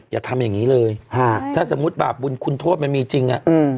อย่าทำอย่างนี้เลยถ้าสมมุติบาปบุญคุณโทษมันมีจริงอ่ะอืม